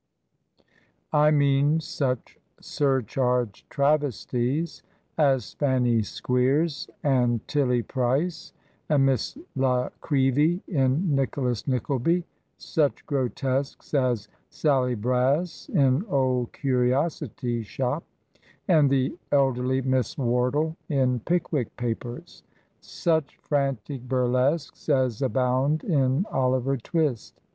I mean such surcharged travesties as Fanny Squeers and TiUy Price and Miss La Creevy in "Nicholas Nickleby"; such grotesques as Sally Brass in " Old Curiosity Shop/' and the elder ly Miss Wardle in "Pickwick Papers"; such frantic burlesques as abound in "Oliver Twist."